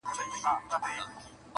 اوس په ساندو كيسې وزي له كابله،